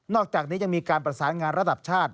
อกจากนี้ยังมีการประสานงานระดับชาติ